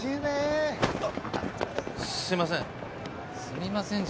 すいません。